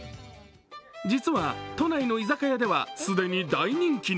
実は都内の居酒屋では既に大人気に。